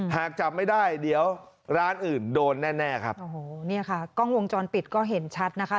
หากจับไม่ได้เดี๋ยวร้านอื่นโดนแน่แน่ครับโอ้โหเนี่ยค่ะกล้องวงจรปิดก็เห็นชัดนะคะ